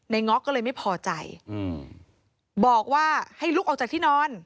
ง็อกก็เลยไม่พอใจบอกว่าให้ลุกออกจากที่นอน